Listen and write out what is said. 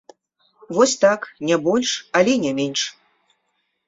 Вось так, не больш, але і не менш.